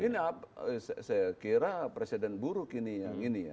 ini saya kira presiden buruk ini